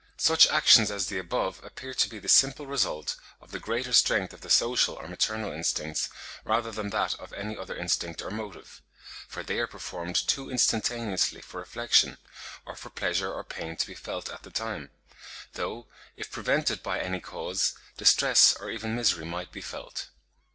Such actions as the above appear to be the simple result of the greater strength of the social or maternal instincts rather than that of any other instinct or motive; for they are performed too instantaneously for reflection, or for pleasure or pain to be felt at the time; though, if prevented by any cause, distress or even misery might be felt.